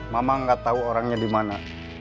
mama gak tahu orangnya di mana